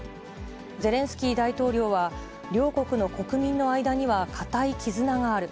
ゼレンスキー大統領は両国の国民の間には固い絆がある。